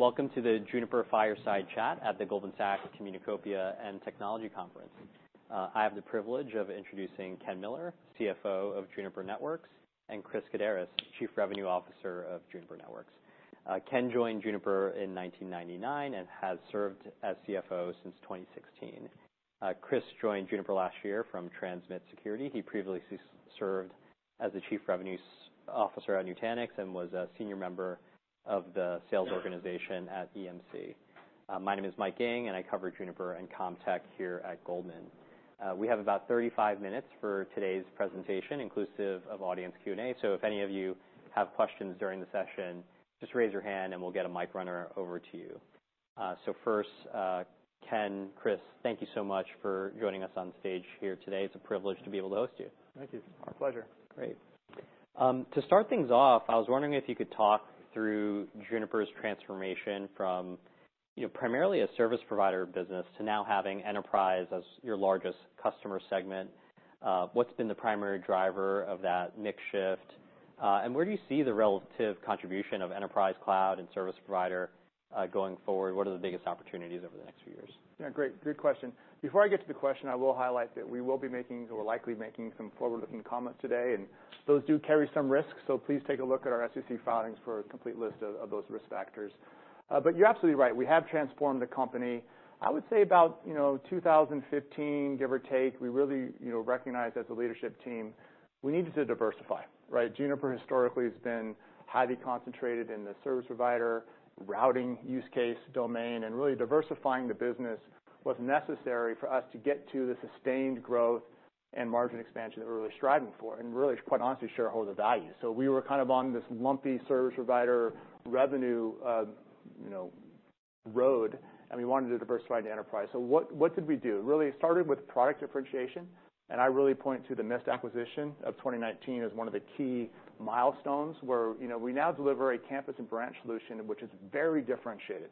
Welcome to the Juniper Fireside Chat at the Goldman Sachs Communicopia and Technology Conference. I have the privilege of introducing Ken Miller, CFO of Juniper Networks, and Chris Kaddaras, Chief Revenue Officer of Juniper Networks. Ken joined Juniper in 1999 and has served as CFO since 2016. Chris joined Juniper last year from Transmit Security. He previously served as the Chief Revenue Officer at Nutanix and was a senior member of the sales organization at EMC. My name is Mike Ng, and I cover Juniper and CommTech here at Goldman. We have about 35 minutes for today's presentation, inclusive of audience Q&A. If any of you have questions during the session, just raise your hand and we'll get a mic runner over to you. First, Ken, Chris, thank you so much for joining us on stage here today. It's a privilege to be able to host you. Thank you. Our pleasure. Great. To start things off, I was wondering if you could talk through Juniper's transformation from, you know, primarily a service provider business to now having enterprise as your largest customer segment. What's been the primary driver of that mix shift, and where do you see the relative contribution of enterprise cloud and service provider going forward? What are the biggest opportunities over the next few years? Yeah, great. Good question. Before I get to the question, I will highlight that we will be making or likely making some forward-looking comments today, and those do carry some risks, so please take a look at our SEC filings for a complete list of those risk factors. But you're absolutely right, we have transformed the company. I would say about, you know, 2015, give or take, we really, you know, recognized as a leadership team, we needed to diversify, right? Juniper historically has been highly concentrated in the service provider, routing use case domain, and really diversifying the business was necessary for us to get to the sustained growth and margin expansion that we're really striving for, and really, quite honestly, shareholder value. So we were on this lumpy service provider revenue, you know, road, and we wanted to diversify the enterprise. So what, what did we do? Really, it started with product differentiation, and I really point to the Mist acquisition of 2019 as one of the key milestones, where, you know, we now deliver a campus and branch solution, which is very differentiated.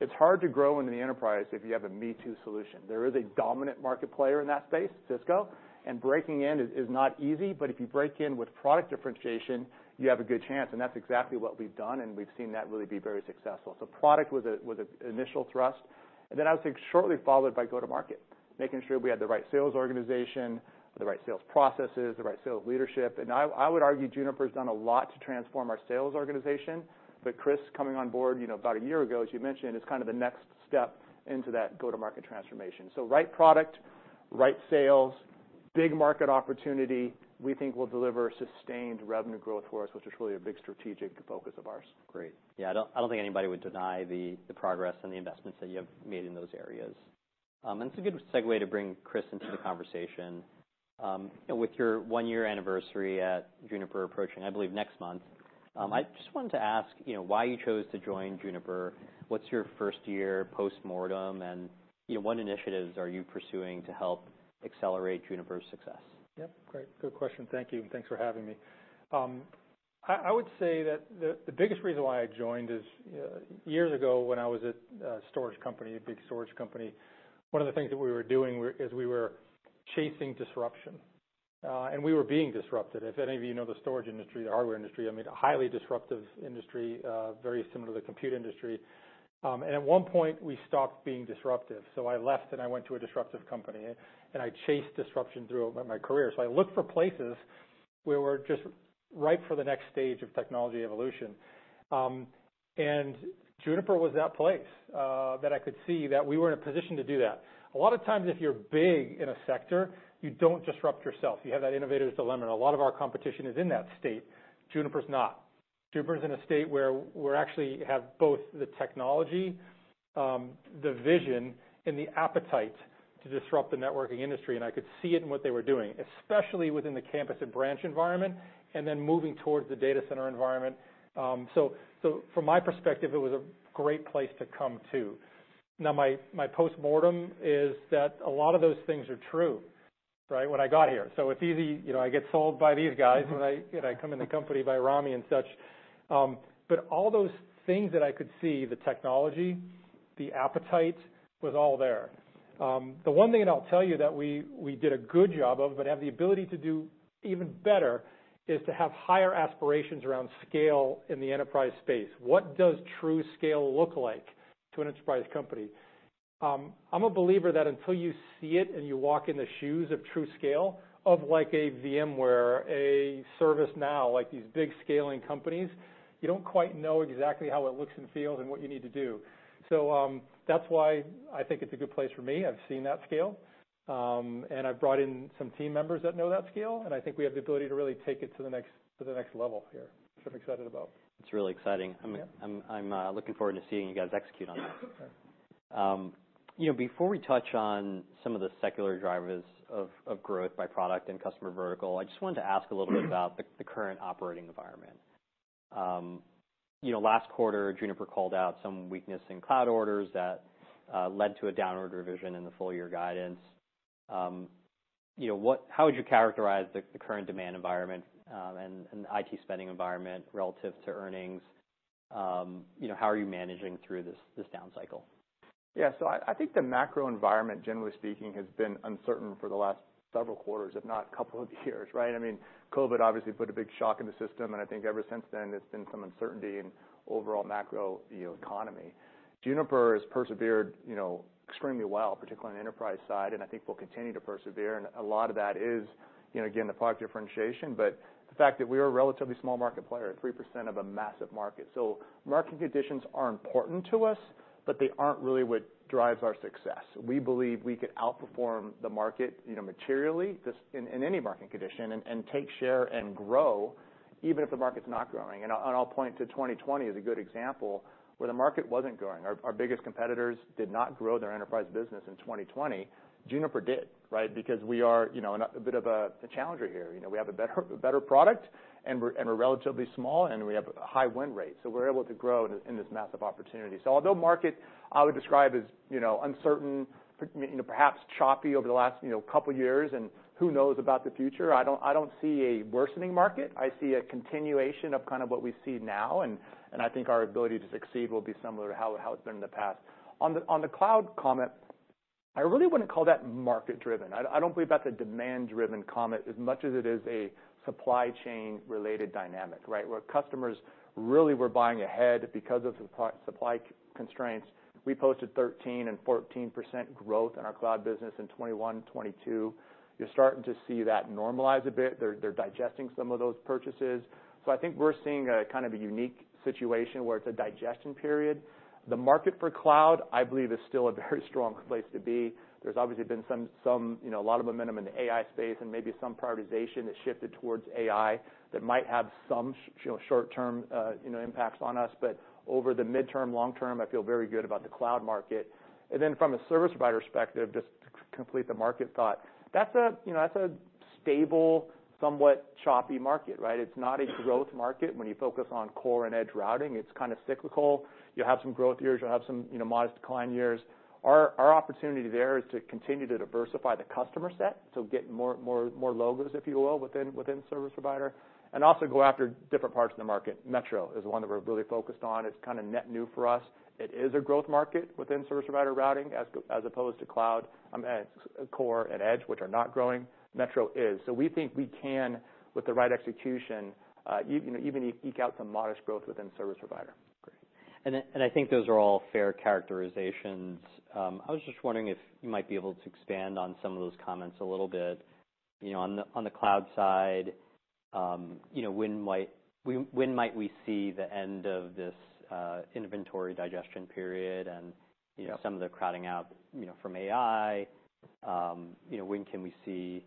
It's hard to grow into the enterprise if you have a me-too solution. There is a dominant market player in that space, Cisco, and breaking in is, is not easy, but if you break in with product differentiation, you have a good chance, and that's exactly what we've done, and we've seen that really be very successful. So product was a, was an initial thrust, and then I would say shortly followed by go-to-market, making sure we had the right sales organization, the right sales processes, the right sales leadership. And I would argue Juniper has done a lot to transform our sales organization, but Chris coming on board, you know, about a year ago, as you mentioned, is the next step into that go-to-market transformation. So right product, right sales, big market opportunity, we think will deliver sustained revenue growth for us, which is really a big strategic focus of ours. Great. Yeah, I don't think anybody would deny the progress and the investments that you have made in those areas. And it's a good segue to bring Chris into the conversation. With your one-year anniversary at Juniper approaching, I believe, next month, I just wanted to ask, you know, why you chose to join Juniper, what's your first year postmortem, and, you know, what initiatives are you pursuing to help accelerate Juniper's success? Yep, great. Good question. Thank you. Thanks for having me. I would say that the biggest reason why I joined is, years ago, when I was at a storage company, a big storage company, one of the things that we were doing is we were chasing disruption, and we were being disrupted. If any of you know the storage industry, the hardware industry, I mean, a highly disruptive industry, very similar to the compute industry. And at one point, we stopped being disruptive, so I left and I went to a disruptive company, and I chased disruption throughout my career. So I looked for places where we're just ripe for the next stage of technology evolution. And Juniper was that place that I could see that we were in a position to do that. A lot of times, if you're big in a sector, you don't disrupt yourself. You have that innovative dilemma, and a lot of our competition is in that state. Juniper is not. Juniper is in a state where we actually have both the technology, the vision, and the appetite to disrupt the networking industry, and I could see it in what they were doing, especially within the campus and branch environment, and then moving towards the data center environment. So, from my perspective, it was a great place to come to. Now, my postmortem is that a lot of those things are true, right, when I got here. So it's easy, you know, I get sold by these guys, and I come in the company by Rami and such. But all those things that I could see, the technology, the appetite, was all there. The one thing, and I'll tell you, that we, we did a good job of, but have the ability to do even better, is to have higher aspirations around scale in the enterprise space. What does true scale look like to an enterprise company? I'm a believer that until you see it and you walk in the shoes of true scale of like a VMware, a ServiceNow, like these big scaling companies, you don't quite know exactly how it looks and feels and what you need to do. So, that's why I think it's a good place for me. I've seen that scale, and I've brought in some team members that know that scale, and I think we have the ability to really take it to the next level here, which I'm excited about. It's really exciting. Yeah. I'm looking forward to seeing you guys execute on that. Right. You know, before we touch on some of the secular drivers of growth by product and customer vertical, I just wanted to ask a little bit about the current operating environment. You know, last quarter, Juniper called out some weakness in cloud orders that led to a downward revision in the full-year guidance. You know, how would you characterize the current demand environment and IT spending environment relative to earnings? You know, how are you managing through this down cycle?... Yeah, so I, I think the macro environment, generally speaking, has been uncertain for the last several quarters, if not couple of years, right? I mean, COVID obviously put a big shock in the system, and I think ever since then, there's been some uncertainty in overall macro, you know, economy. Juniper has persevered, you know, extremely well, particularly on the enterprise side, and I think we'll continue to persevere. And a lot of that is, you know, again, the product differentiation, but the fact that we are a relatively small market player at 3% of a massive market. So market conditions are important to us, but they aren't really what drives our success. We believe we could outperform the market, you know, materially, just in, in any market condition, and, and take share and grow even if the market's not growing. And I'll point to 2020 as a good example, where the market wasn't growing. Our biggest competitors did not grow their enterprise business in 2020. Juniper did, right? Because we are, you know, a bit of a challenger here. You know, we have a better product, and we're relatively small, and we have a high win rate. So we're able to grow in this massive opportunity. So although market, I would describe as, you know, uncertain, perhaps choppy over the last, you know, couple years, and who knows about the future, I don't see a worsening market. I see a continuation of kind of what we see now, and I think our ability to succeed will be similar to how it's been in the past. On the cloud comment, I really wouldn't call that market driven. I don't believe that's a demand-driven comment as much as it is a supply chain-related dynamic, right? Where customers really were buying ahead because of supply constraints. We posted 13% and 14% growth in our cloud business in 2021, 2022. You're starting to see that normalize a bit. They're digesting some of those purchases. So I think we're seeing a kind of a unique situation where it's a digestion period. The market for cloud, I believe, is still a very strong place to be. There's obviously been some, you know, a lot of momentum in the AI space and maybe some prioritization that shifted towards AI that might have some short-term, you know, impacts on us. But over the midterm, long term, I feel very good about the cloud market. And then from a service provider perspective, just to complete the market thought, that's a, you know, that's a stable, somewhat choppy market, right? It's not a growth market when you focus on core and edge routing. It's kind of cyclical. You'll have some growth years, you'll have some, you know, modest decline years. Our opportunity there is to continue to diversify the customer set, so get more, more, more logos, if you will, within service provider, and also go after different parts of the market. Metro is one that we're really focused on. It's kind of net new for us. It is a growth market within service provider routing, as opposed to cloud, and core and edge, which are not growing. Metro is. So we think we can, with the right execution, you know, even eke out some modest growth within service provider. Great. And I think those are all fair characterizations. I was just wondering if you might be able to expand on some of those comments a little bit. You know, on the cloud side, you know, when might we see the end of this inventory digestion period and, you know- Yep... some of the crowding out, you know, from AI? You know, when can we see,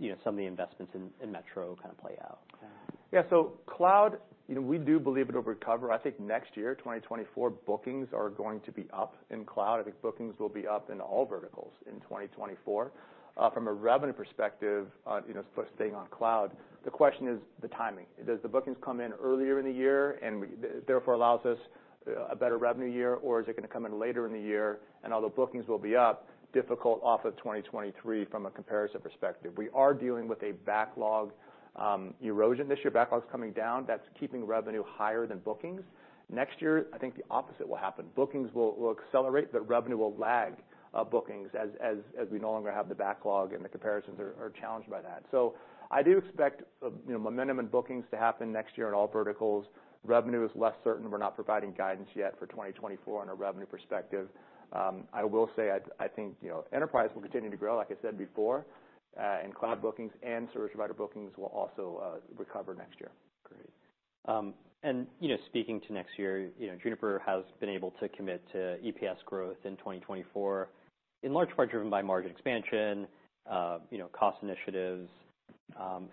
you know, some of the investments in Metro kind of play out? Yeah, so cloud, you know, we do believe it'll recover. I think next year, 2024, bookings are going to be up in cloud. I think bookings will be up in all verticals in 2024. From a revenue perspective, you know, staying on cloud, the question is the timing. Does the bookings come in earlier in the year, and we, therefore allows us, a better revenue year, or is it going to come in later in the year? And although bookings will be up, difficult off of 2023 from a comparison perspective. We are dealing with a backlog, erosion this year. Backlog's coming down. That's keeping revenue higher than bookings. Next year, I think the opposite will happen. Bookings will accelerate, but revenue will lag bookings as we no longer have the backlog, and the comparisons are challenged by that. So I do expect, you know, momentum in bookings to happen next year in all verticals. Revenue is less certain. We're not providing guidance yet for 2024 on a revenue perspective. I will say I think, you know, enterprise will continue to grow, like I said before, and cloud bookings and service provider bookings will also recover next year. Great. And, you know, speaking to next year, you know, Juniper has been able to commit to EPS growth in 2024, in large part driven by margin expansion, you know, cost initiatives,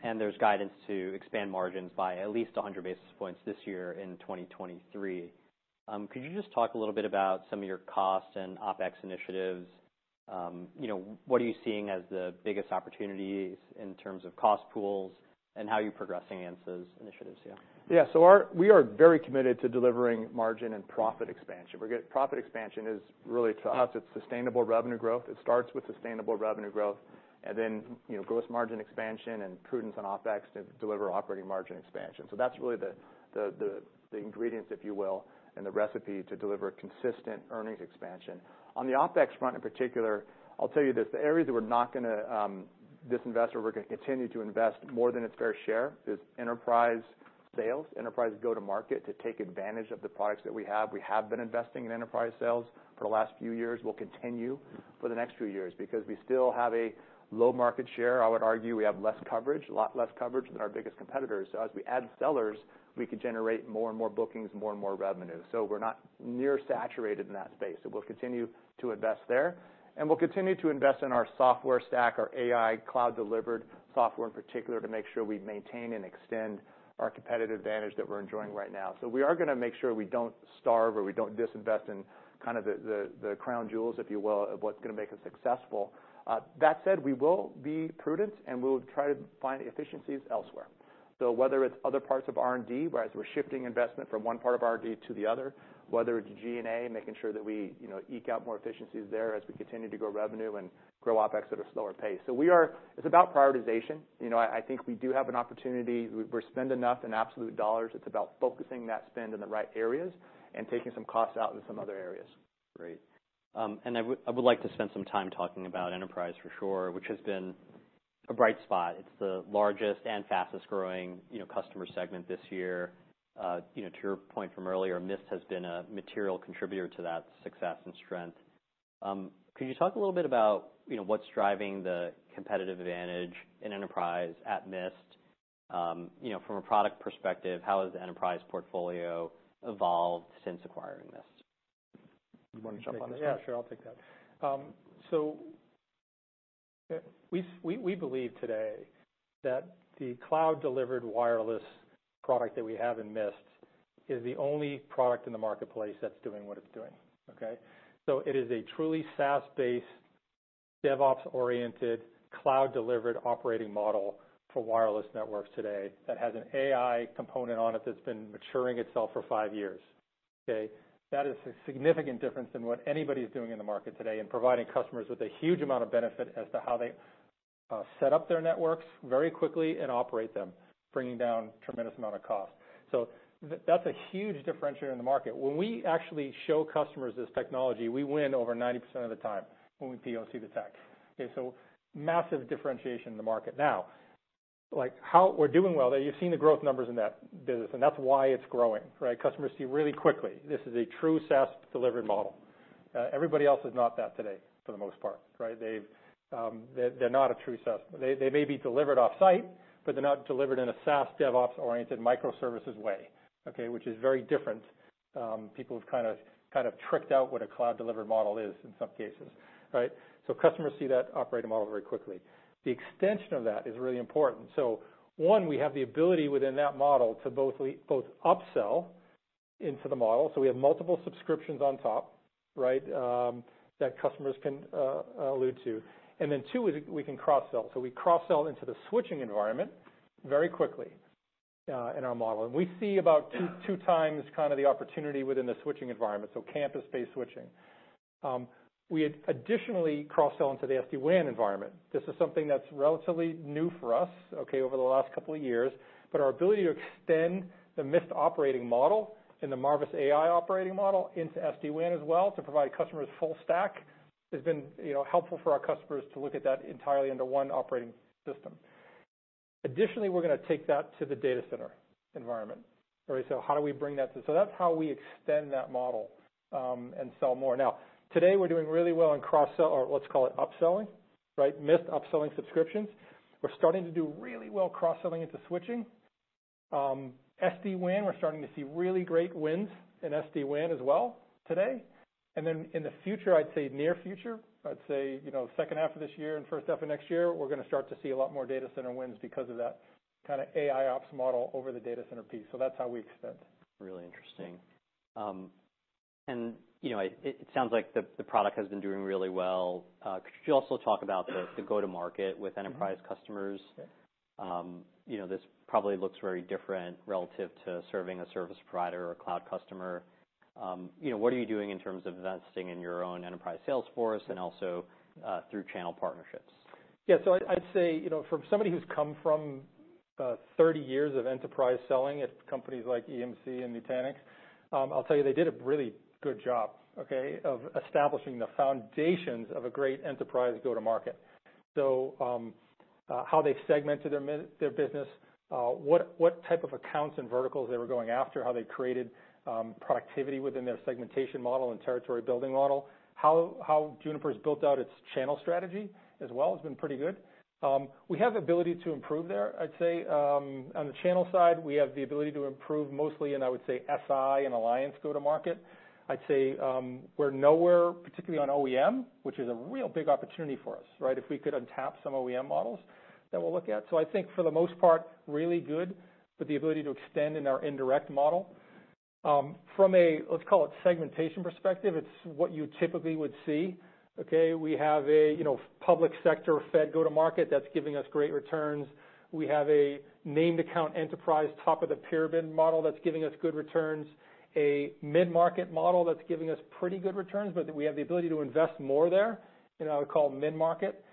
and there's guidance to expand margins by at least 100 basis points this year in 2023. Could you just talk a little bit about some of your costs and OpEx initiatives? You know, what are you seeing as the biggest opportunities in terms of cost pools and how you're progressing against those initiatives here? Yeah, so we are very committed to delivering margin and profit expansion. Profit expansion is really, to us, it's sustainable revenue growth. It starts with sustainable revenue growth, and then, you know, gross margin expansion and prudence on OpEx to deliver operating margin expansion. So that's really the ingredients, if you will, and the recipe to deliver consistent earnings expansion. On the OpEx front, in particular, I'll tell you this, the areas that we're not going to disinvest or we're going to continue to invest more than its fair share is enterprise sales, enterprise go-to-market, to take advantage of the products that we have. We have been investing in enterprise sales for the last few years. We'll continue for the next few years because we still have a low market share. I would argue we have less coverage, a lot less coverage than our biggest competitors. So as we add sellers, we could generate more and more bookings, more and more revenue. So we're not near saturated in that space, so we'll continue to invest there. And we'll continue to invest in our software stack, our AI cloud-delivered software, in particular, to make sure we maintain and extend our competitive advantage that we're enjoying right now. So we are going to make sure we don't starve or we don't disinvest in kind of the crown jewels, if you will, of what's going to make us successful. That said, we will be prudent, and we will try to find efficiencies elsewhere. So whether it's other parts of R&D, whereas we're shifting investment from one part of R&D to the other, whether it's G&A, making sure that we, you know, eke out more efficiencies there as we continue to grow revenue and grow OpEx at a slower pace. So we are. It's about prioritization. You know, I, I think we do have an opportunity. We, we spend enough in absolute dollars. It's about focusing that spend in the right areas and taking some costs out in some other areas. Great. And I would, I would like to spend some time talking about enterprise for sure, which has been a bright spot. It's the largest and fastest-growing, you know, customer segment this year. You know, to your point from earlier, Mist has been a material contributor to that success and strength. Could you talk a little bit about, you know, what's driving the competitive advantage in enterprise at Mist? You know, from a product perspective, how has the enterprise portfolio evolved since acquiring Mist? You want to jump on this? Yeah, sure, I'll take that. So we believe today that the cloud-delivered wireless product that we have in Mist is the only product in the marketplace that's doing what it's doing, okay? So it is a truly SaaS-based, DevOps-oriented, cloud-delivered operating model for wireless networks today that has an AI component on it that's been maturing itself for five years, okay? That is a significant difference than what anybody is doing in the market today and providing customers with a huge amount of benefit as to how they set up their networks very quickly and operate them, bringing down tremendous amount of cost. So that's a huge differentiator in the market. When we actually show customers this technology, we win over 90% of the time when we POC the tech. Okay, so massive differentiation in the market. Now, like, how we're doing well there, you've seen the growth numbers in that business, and that's why it's growing, right? Customers see really quickly, this is a true SaaS delivery model. Everybody else is not that today, for the most part, right? They've, they're not a true SaaS. They may be delivered off-site, but they're not delivered in a SaaS, DevOps-oriented, microservices way, okay, which is very different. People have kind of tricked out what a cloud-delivered model is in some cases, right? So customers see that operating model very quickly. The extension of that is really important. So one, we have the ability within that model to both upsell into the model, so we have multiple subscriptions on top, right, that customers can allude to. And then two, is we can cross-sell. So we cross-sell into the switching environment very quickly in our model. And we see about two, two times kind of the opportunity within the switching environment, so campus-based switching. We had additionally cross-sell into the SD-WAN environment. This is something that's relatively new for us, okay, over the last couple of years, but our ability to extend the Mist operating model and the Marvis AI operating model into SD-WAN as well, to provide customers full stack, has been, you know, helpful for our customers to look at that entirely into one operating system. Additionally, we're going to take that to the data center environment. So that's how we extend that model and sell more. Now, today, we're doing really well in cross-sell, or let's call it upselling, right? Mist upselling subscriptions. We're starting to do really well cross-selling into switching. SD-WAN, we're starting to see really great wins in SD-WAN as well today. Then in the future, I'd say near future, I'd say, you know, second half of this year and first half of next year, we're going to start to see a lot more data center wins because of that kind of AIOps model over the data center piece. That's how we extend. Really interesting. And, you know, it sounds like the product has been doing really well. Could you also talk about the go-to-market with enterprise customers? Yeah. You know, this probably looks very different relative to serving a service provider or a cloud customer. You know, what are you doing in terms of investing in your own enterprise sales force and also through channel partnerships? Yeah, I'd say, you know, from somebody who's come from 30 years of enterprise selling at companies like EMC and Nutanix, I'll tell you, they did a really good job, okay, of establishing the foundations of a great enterprise go-to-market. How they segmented their business, what type of accounts and verticals they were going after, how they created productivity within their segmentation model and territory building model, how Juniper's built out its channel strategy as well, has been pretty good. We have ability to improve there. I'd say on the channel side, we have the ability to improve mostly, and I would say, SI and alliance go-to-market. I'd say we're nowhere, particularly on OEM, which is a real big opportunity for us, right? If we could untap some OEM models that we'll look at. So I think for the most part, really good, with the ability to extend in our indirect model. From a, let's call it segmentation perspective, it's what you typically would see, okay? We have a, you know, public sector Fed go-to-market that's giving us great returns. We have a named account enterprise, top of the pyramid model that's giving us good returns, a mid-market model that's giving us pretty good returns, but we have the ability to invest more there, in I would call mid-market.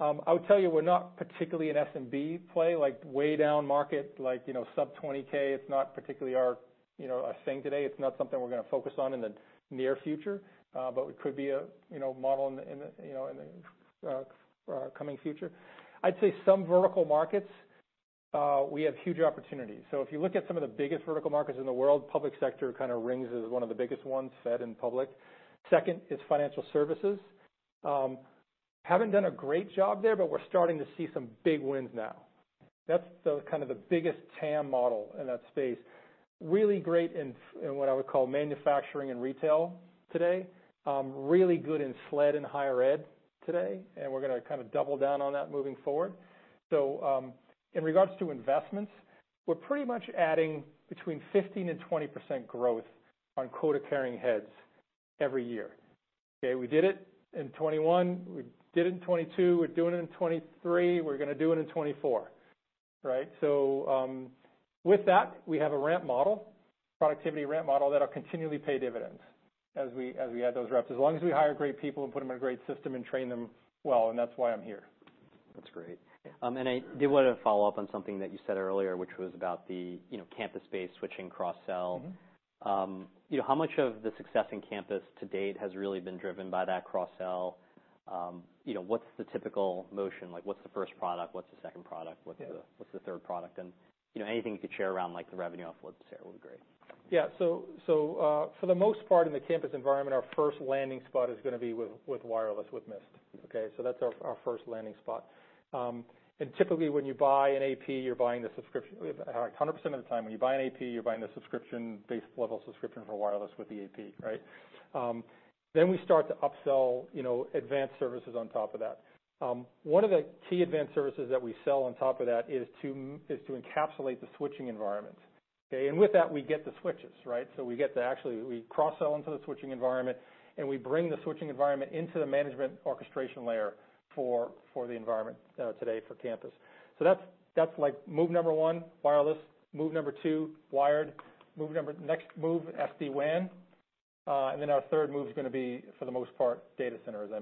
I would tell you, we're not particularly an SMB play, like way down market, like, you know, sub $20K. It's not particularly our, you know, our thing today. It's not something we're going to focus on in the near future, but it could be a, you know, model in the, you know, in the, coming future. I'd say some vertical markets, we have huge opportunities. So if you look at some of the biggest vertical markets in the world, public sector kind of rings as one of the biggest ones, fed and public. Second is financial services. Haven't done a great job there, but we're starting to see some big wins now. That's the kind of the biggest TAM model in that space. Really great in, in what I would call manufacturing and retail today. Really good in SLED and higher ed today, and we're going to kind of double down on that moving forward. So, in regards to investments, we're pretty much adding between 15%-20% growth on quota-carrying heads every year. Okay, we did it in 2021, we did it in 2022, we're doing it in 2023, we're going to do it in 2024, right? So, with that, we have a ramp model, productivity ramp model, that'll continually pay dividends as we, as we add those reps. As long as we hire great people and put them in a great system and train them well, and that's why I'm here.... That's great. And I did want to follow up on something that you said earlier, which was about the, you know, campus-based switching cross-sell. Mm-hmm. You know, how much of the success in campus to date has really been driven by that cross-sell? You know, what's the typical motion? Like, what's the first product? What's the second product? Yeah. What's the, what's the third product? And, you know, anything you could share around, like, the revenue offload sale, would be great. Yeah. So, for the most part, in the campus environment, our first landing spot is going to be with wireless, with Mist. Okay, so that's our first landing spot. And typically, when you buy an AP, you're buying the subscription. 100% of the time, when you buy an AP, you're buying the subscription-based level subscription for wireless with the AP, right? Then we start to upsell, you know, advanced services on top of that. One of the key advanced services that we sell on top of that is to encapsulate the switching environment, okay? And with that, we get the switches, right? So we get to actually, we cross-sell into the switching environment, and we bring the switching environment into the management orchestration layer for the environment, today for campus. So that's, that's like move number one, wireless. Move number two, wired. Move number, next move, SD-WAN. And then our third move is going to be, for the most part, data center, as I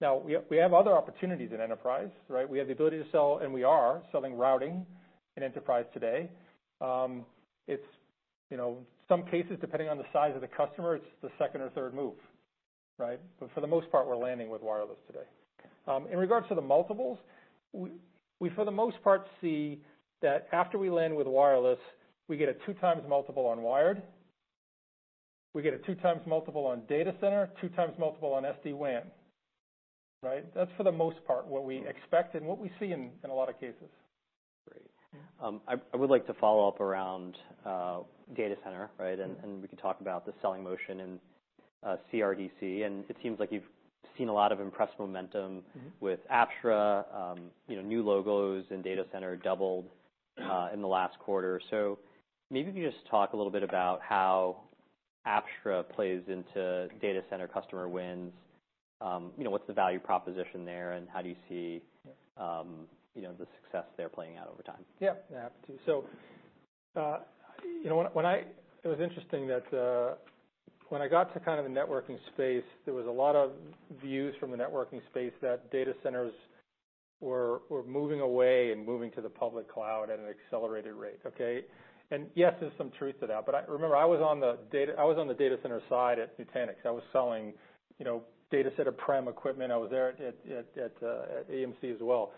mentioned. Now, we have, we have other opportunities in enterprise, right? We have the ability to sell, and we are selling routing in enterprise today. It's, you know, some cases, depending on the size of the customer, it's the second or third move, right? But for the most part, we're landing with wireless today. In regards to the multiples, we, we for the most part, see that after we land with wireless, we get a 2x multiple on wired. We get a 2x multiple on data center, 2x multiple on SD-WAN, right? That's for the most part, what we expect and what we see in, in a lot of cases. Great. Yeah. I would like to follow up around data center, right? Mm-hmm. And we can talk about the selling motion and CRDC, and it seems like you've seen a lot of impressed momentum- Mm-hmm. -with Apstra, you know, new logos and data center doubled in the last quarter. So maybe if you just talk a little bit about how Apstra plays into data center customer wins, you know, what's the value proposition there, and how do you see, you know, the success there playing out over time? So, you know, it was interesting that when I got to kind of the networking space, there was a lot of views from the networking space that data centers were moving away and moving to the public cloud at an accelerated rate, okay? And yes, there's some truth to that, but remember, I was on the data center side at Nutanix. I was selling, you know, data center prem equipment. I was there at EMC as well.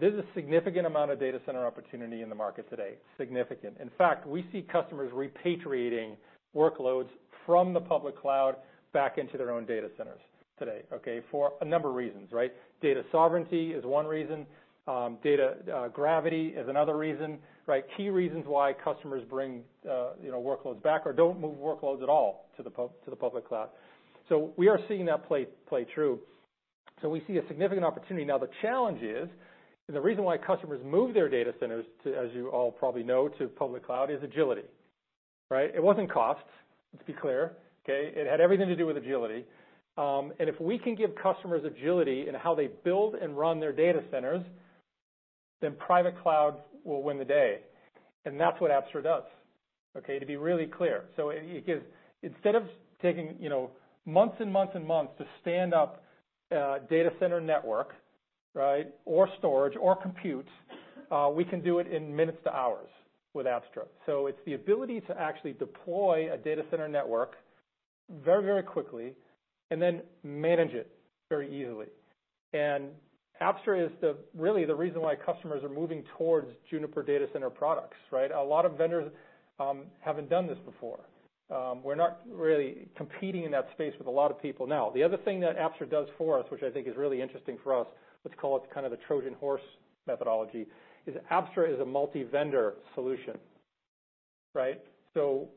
There's a significant amount of data center opportunity in the market today. Significant. In fact, we see customers repatriating workloads from the public cloud back into their own data centers today, okay, for a number of reasons, right? Data sovereignty is one reason, data gravity is another reason, right? Key reasons why customers bring, you know, workloads back or don't move workloads at all to the public cloud. So we are seeing that play true. So we see a significant opportunity. Now, the challenge is, and the reason why customers move their data centers to, as you all probably know, to public cloud, is agility, right? It wasn't cost, let's be clear, okay? It had everything to do with agility. And if we can give customers agility in how they build and run their data centers, then private cloud will win the day. And that's what Apstra does, okay, to be really clear. So it gives. Instead of taking, you know, months and months and months to stand up a data center network, right, or storage or compute, we can do it in minutes to hours with Apstra. So it's the ability to actually deploy a data center network very, very quickly and then manage it very easily. And Apstra is the, really the reason why customers are moving towards Juniper Data Center products, right? A lot of vendors haven't done this before. We're not really competing in that space with a lot of people now. The other thing that Apstra does for us, which I think is really interesting for us, let's call it kind of the Trojan horse methodology, is Apstra is a multi-vendor solution, right? So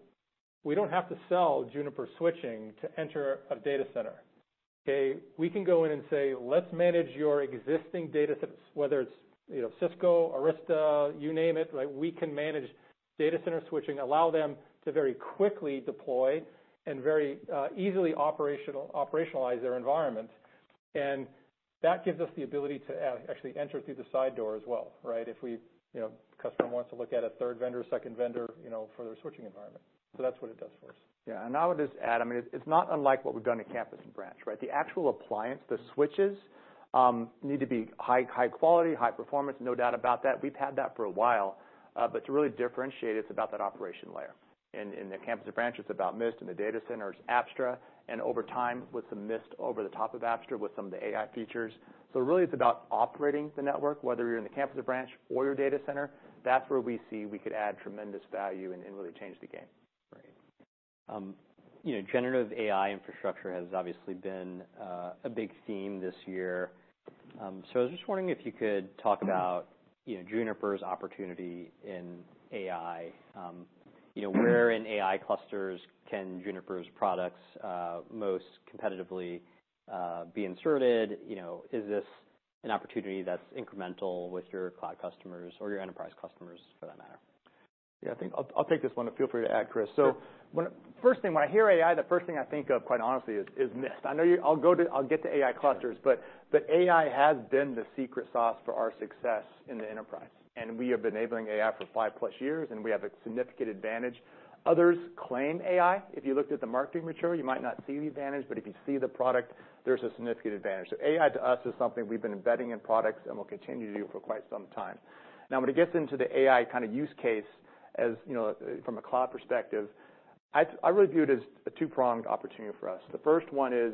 we don't have to sell Juniper switching to enter a data center. Okay, we can go in and say: Let's manage your existing data centers, whether it's, you know, Cisco, Arista, you name it, right? We can manage data center switching, allow them to very quickly deploy and very easily operationalize their environment. That gives us the ability to actually enter through the side door as well, right? If we, you know, customer wants to look at a third vendor, second vendor, you know, for their switching environment. So that's what it does for us. Yeah, and I would just add, I mean, it's not unlike what we've done in campus and branch, right? The actual appliance, the switches, need to be high, high quality, high performance, no doubt about that. We've had that for a while, but to really differentiate, it's about that operation layer. In the campus or branch, it's about Mist, in the data center, it's Apstra, and over time, with some Mist over the top of Apstra, with some of the AI features. So really, it's about operating the network, whether you're in the campus or branch or your data center, that's where we see we could add tremendous value and really change the game. Right. You know, generative AI infrastructure has obviously been a big theme this year. So I was just wondering if you could talk about, you know, Juniper's opportunity in AI. You know, where in AI clusters can Juniper's products most competitively be inserted? You know, is this an opportunity that's incremental with your cloud customers or your enterprise customers, for that matter? Yeah, I think I'll, I'll take this one, but feel free to add, Chris. Sure. First thing, when I hear AI, the first thing I think of, quite honestly, is Mist. I know you... I'll get to AI clusters, but AI has been the secret sauce for our success in the enterprise, and we have been enabling AI for five-plus years, and we have a significant advantage. Others claim AI. If you looked at the marketing material, you might not see the advantage, but if you see the product, there's a significant advantage. So AI, to us, is something we've been embedding in products and will continue to do for quite some time. Now, when it gets into the AI kind of use case-... as, you know, from a cloud perspective, I really view it as a two-pronged opportunity for us. The first one is,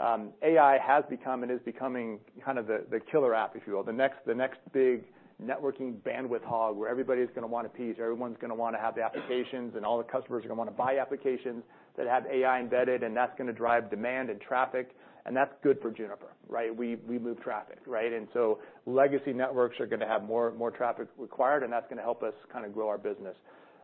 AI has become and is becoming kind of the killer app, if you will. The next big networking bandwidth hog, where everybody's going to want a piece, everyone's going to want to have the applications, and all the customers are going to want to buy applications that have AI embedded, and that's going to drive demand and traffic, and that's good for Juniper, right? We move traffic, right? And so legacy networks are going to have more traffic required, and that's going to help us kind of grow our business.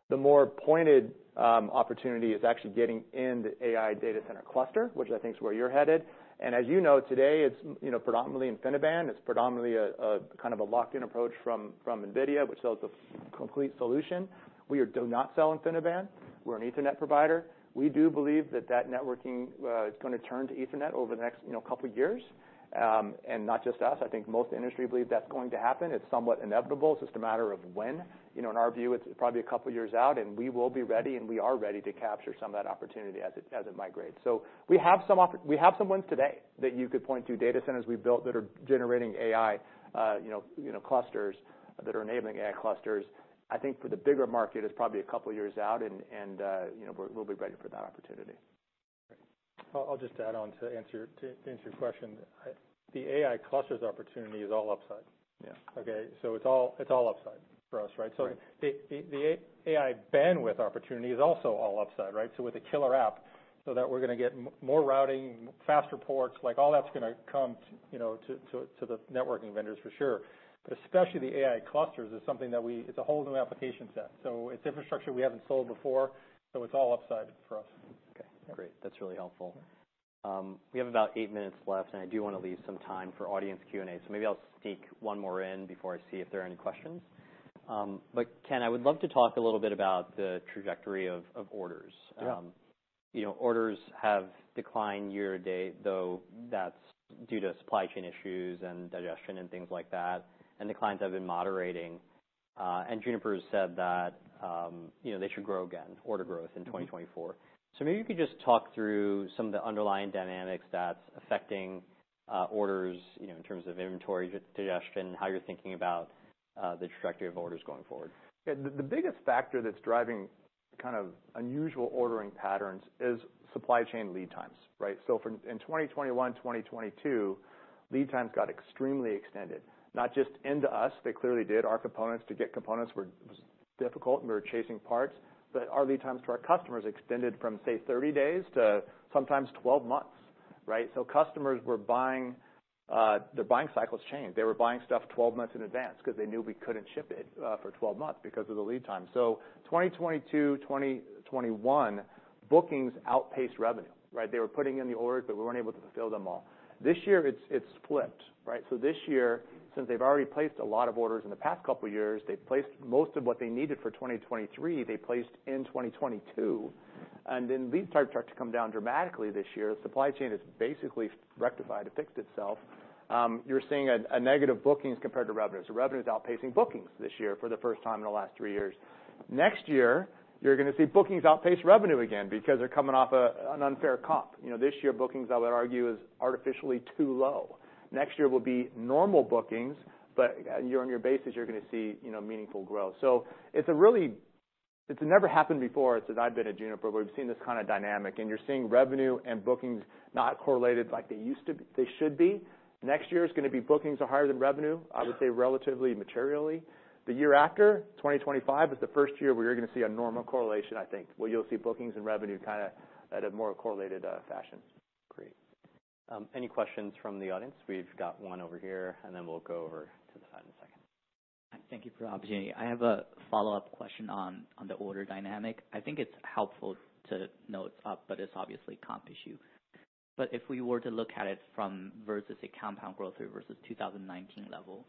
The more pointed opportunity is actually getting in the AI data center cluster, which I think is where you're headed. And as you know, today, it's, you know, predominantly InfiniBand. It's predominantly a kind of a locked-in approach from NVIDIA, which sells a complete solution. We do not sell InfiniBand. We're an Ethernet provider. We do believe that that networking is going to turn to Ethernet over the next, you know, couple years. And not just us, I think most industry believe that's going to happen. It's somewhat inevitable. It's just a matter of when. You know, in our view, it's probably a couple of years out, and we will be ready, and we are ready to capture some of that opportunity as it migrates. So we have some wins today that you could point to, data centers we built that are generating AI clusters that are enabling AI clusters. I think for the bigger market, it's probably a couple of years out and, you know, we'll be ready for that opportunity. I'll just add on to answer your question. I... The AI clusters opportunity is all upside. Yeah. Okay, so it's all, it's all upside for us, right? Right. So the AI bandwidth opportunity is also all upside, right? So with a killer app, so that we're going to get more routing, faster ports, like all that's going to come to, you know, to the networking vendors for sure. But especially the AI clusters is something that we—it's a whole new application set, so it's infrastructure we haven't sold before, so it's all upside for us. Okay, great. That's really helpful. We have about eight minutes left, and I do want to leave some time for audience Q&A, so maybe I'll sneak one more in before I see if there are any questions. But Ken, I would love to talk a little bit about the trajectory of orders. Yeah. You know, orders have declined year-to-date, though that's due to supply chain issues and digestion and things like that, and the clients have been moderating. And Juniper has said that, you know, they should grow again, order growth in 2024. So maybe you could just talk through some of the underlying dynamics that's affecting orders, you know, in terms of inventory digestion, how you're thinking about the trajectory of orders going forward. Yeah, the biggest factor that's driving kind of unusual ordering patterns is supply chain lead times, right? So in 2021, 2022, lead times got extremely extended, not just into us, they clearly did. Our components, to get components were, was difficult, and we were chasing parts. But our lead times to our customers extended from, say, 30 days to sometimes 12 months, right? So customers were buying, their buying cycles changed. They were buying stuff 12 months in advance because they knew we couldn't ship it, for 12 months because of the lead time. So 2020 to 2021, bookings outpaced revenue, right? They were putting in the orders, but we weren't able to fulfill them all. This year, it's flipped, right? So this year, since they've already placed a lot of orders in the past couple of years, they've placed most of what they needed for 2023, they placed in 2022, and then lead times start to come down dramatically this year. The supply chain is basically rectified and fixed itself. You're seeing a negative bookings compared to revenues. So revenue is outpacing bookings this year for the first time in the last three years. Next year, you're going to see bookings outpace revenue again because they're coming off a, an unfair comp. You know, this year, bookings, I would argue, is artificially too low. Next year will be normal bookings, but year-on-year basis, you're going to see, you know, meaningful growth. It's never happened before, since I've been at Juniper, where we've seen this kind of dynamic, and you're seeing revenue and bookings not correlated like they should be. Next year is going to be bookings are higher than revenue, I would say relatively materially. The year after, 2025, is the first year where you're going to see a normal correlation, I think, where you'll see bookings and revenue kind of at a more correlated fashion. Great. Any questions from the audience? We've got one over here, and then we'll go over to the side in a second. Thank you for the opportunity. I have a follow-up question on the order dynamic. I think it's helpful to note, but it's obviously comp issue. But if we were to look at it from versus a compound growth rate versus 2019 level,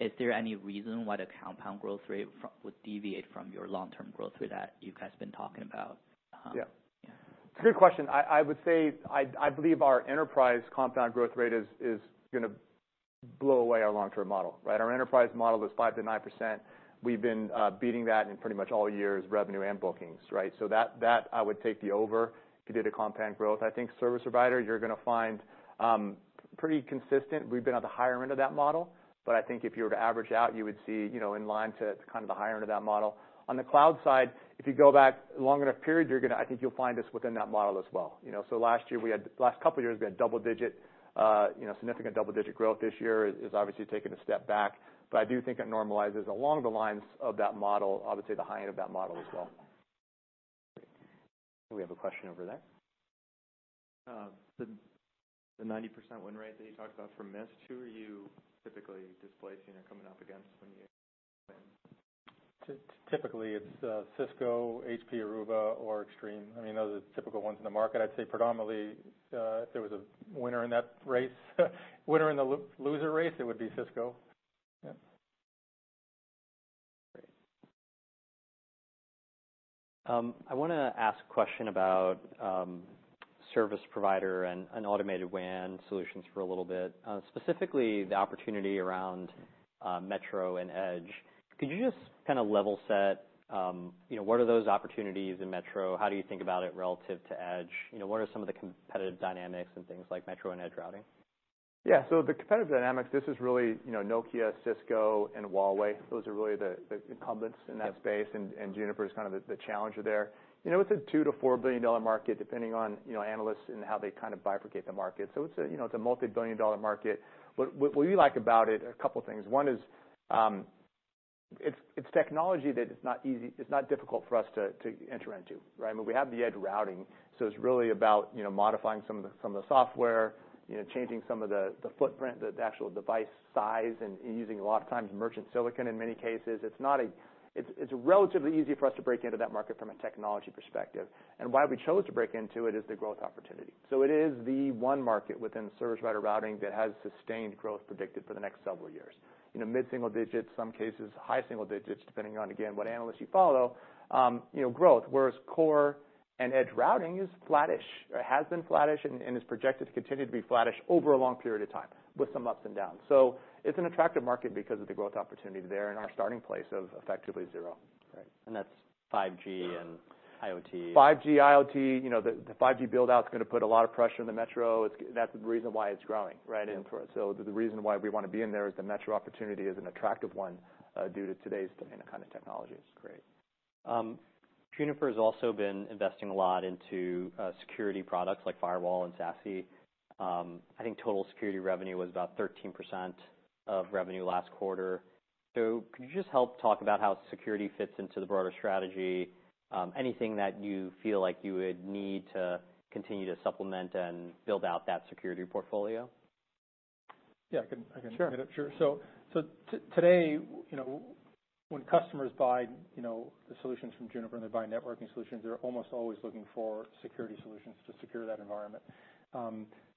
is there any reason why the compound growth rate would deviate from your long-term growth rate that you guys have been talking about? Yeah. Yeah. It's a good question. I would say, I believe our enterprise compound growth rate is going to blow away our long-term model, right? Our enterprise model is 5%-9%. We've been beating that in pretty much all years, revenue and bookings, right? So that I would take you over if you did a compound growth. I think service provider, you're going to find pretty consistent. We've been on the higher end of that model, but I think if you were to average out, you would see, you know, in line to kind of the higher end of that model. On the cloud side, if you go back a long enough period, you're going to, I think you'll find us within that model as well. You know, so last year we had, last couple of years, we had double-digit, you know, significant double-digit growth. This year is obviously taking a step back, but I do think it normalizes along the lines of that model. I would say the high end of that model as well. We have a question over there. The 90% win rate that you talked about for Mist, who are you typically displacing or coming up against when you win? Typically, it's Cisco, HP Aruba, or Extreme. I mean, those are the typical ones in the market. I'd say predominantly, if there was a winner in that race, winner in the loser race, it would be Cisco. Yeah. Great. I want to ask a question about service provider and automated WAN solutions for a little bit, specifically the opportunity around metro and edge. Could you just kind of level set, you know, what are those opportunities in metro? How do you think about it relative to edge? You know, what are some of the competitive dynamics and things like metro and edge routing? ...Yeah, so the competitive dynamics, this is really, you know, Nokia, Cisco, and Huawei. Those are really the incumbents in that space, and Juniper is kind of the challenger there. You know, it's a $2-$4 billion market, depending on, you know, analysts and how they kind of bifurcate the market. So it's a, you know, it's a multi-billion-dollar market. But what we like about it, a couple things. One is, it's technology that is not easy. It's not difficult for us to enter into, right? I mean, we have the edge routing, so it's really about, you know, modifying some of the software, you know, changing some of the footprint, the actual device size, and using, a lot of times, merchant silicon, in many cases. It's relatively easy for us to break into that market from a technology perspective. And why we chose to break into it is the growth opportunity. So it is the one market within service provider routing that has sustained growth predicted for the next several years. You know, mid-single digits, some cases, high single digits, depending on, again, what analysts you follow, you know, growth. Whereas core and edge routing is flattish, or has been flattish, and is projected to continue to be flattish over a long period of time, with some ups and downs. So it's an attractive market because of the growth opportunity there and our starting place of effectively zero, right? That's 5G and IoT. 5G, IoT, you know, the 5G build-out is gonna put a lot of pressure on the metro. It's. That's the reason why it's growing, right, and for us. So the reason why we want to be in there is the metro opportunity is an attractive one due to today's dominant kind of technologies. Great. Juniper has also been investing a lot into security products like Firewall and SASE. I think total security revenue was about 13% of revenue last quarter. So could you just help talk about how security fits into the broader strategy? Anything that you feel like you would need to continue to supplement and build out that security portfolio? Yeah, I can- Sure. Sure. So, today, you know, when customers buy, you know, the solutions from Juniper, and they're buying networking solutions, they're almost always looking for security solutions to secure that environment.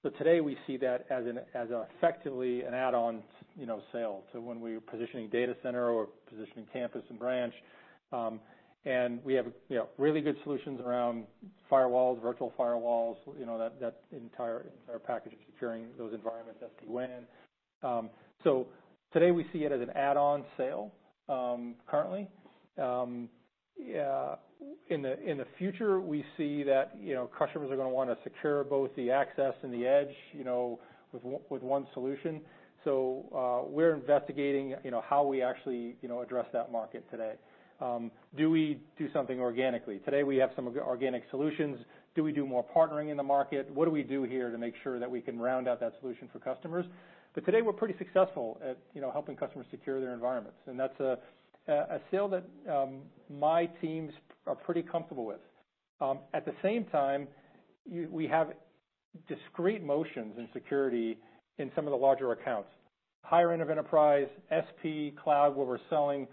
So today we see that as an, as effectively an add-on, you know, sale. So when we're positioning data center or positioning campus and branch, and we have, you know, really good solutions around firewalls, virtual firewalls, you know, that entire package of securing those environments, SD-WAN. So today we see it as an add-on sale, currently. Yeah, in the future, we see that, you know, customers are gonna wanna secure both the access and the edge, you know, with one solution. So, we're investigating, you know, how we actually, you know, address that market today. Do we do something organically? Today, we have some organic solutions. Do we do more partnering in the market? What do we do here to make sure that we can round out that solution for customers? But today, we're pretty successful at, you know, helping customers secure their environments, and that's a sale that my teams are pretty comfortable with. At the same time, you-- we have discrete motions in security in some of the larger accounts. Higher end of enterprise, SP, cloud, where we're selling high-end,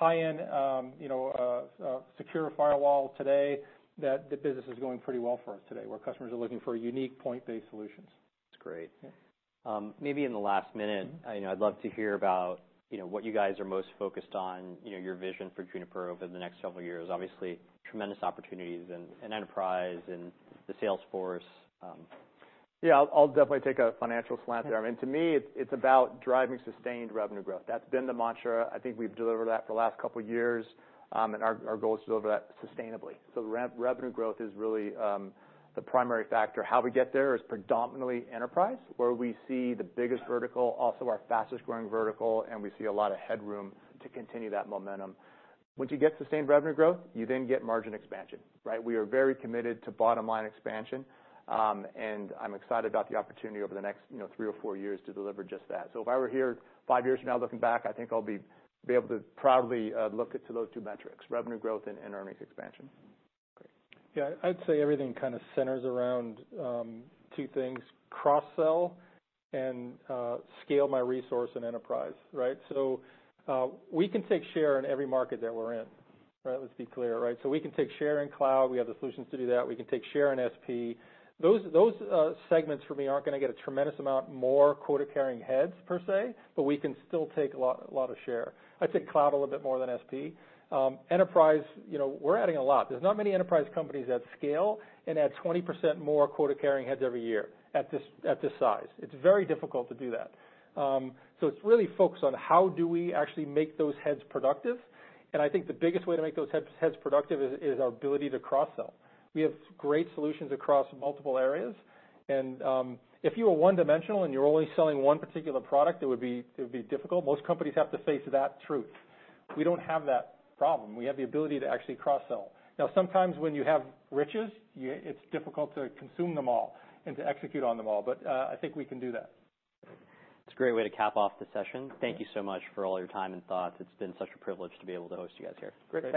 you know, secure firewall today, that the business is going pretty well for us today, where customers are looking for unique point-based solutions. That's great. Yeah. Maybe in the last minute, you know, I'd love to hear about, you know, what you guys are most focused on, you know, your vision for Juniper over the next several years. Obviously, tremendous opportunities in enterprise and the sales force. Yeah, I'll definitely take a financial slant there. I mean, to me, it's about driving sustained revenue growth. That's been the mantra. I think we've delivered that for the last couple of years, and our goal is to deliver that sustainably. So the revenue growth is really the primary factor. How we get there is predominantly enterprise, where we see the biggest vertical, also our fastest-growing vertical, and we see a lot of headroom to continue that momentum. Once you get sustained revenue growth, you then get margin expansion, right? We are very committed to bottom-line expansion, and I'm excited about the opportunity over the next, you know, three or four years to deliver just that. If I were here five years from now, looking back, I think I'll be able to proudly look at those two metrics, revenue growth and earnings expansion. Great. Yeah, I'd say everything kind of centers around two things: cross-sell and scale my resource and enterprise, right? So, we can take share in every market that we're in, right? Let's be clear, right? So we can take share in cloud. We have the solutions to do that. We can take share in SP. Those segments for me aren't gonna get a tremendous amount more quota-carrying heads per se, but we can still take a lot, a lot of share. I'd take cloud a little bit more than SP. Enterprise, you know, we're adding a lot. There's not many enterprise companies that scale and add 20% more quota-carrying heads every year at this size. It's very difficult to do that. So it's really focused on how do we actually make those heads productive, and I think the biggest way to make those heads productive is our ability to cross-sell. We have great solutions across multiple areas, and if you are one-dimensional and you're only selling one particular product, it would be difficult. Most companies have to face that truth. We don't have that problem. We have the ability to actually cross-sell. Now, sometimes when you have riches, it's difficult to consume them all and to execute on them all, but I think we can do that. It's a great way to cap off the session. Thank you so much for all your time and thoughts. It's been such a privilege to be able to host you guys here. Great.